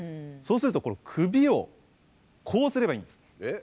そうするとこの首をこうすればいいんです。